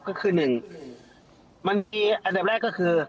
ทนายเกิดผลครับ